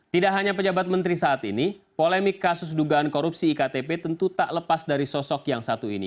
tidak hanya pejabat menteri saat ini polemik kasus dugaan korupsi iktp tentu tak lepas dari sosok yang satu ini